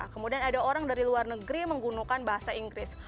kemudian ada orang dari luar negeri menggunakan bahasa inggris